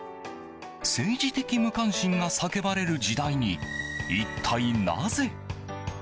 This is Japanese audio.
政治的無関心が叫ばれる時代に一体なぜ？